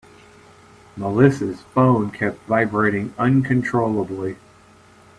Melissa's phone kept vibrating uncontrollably.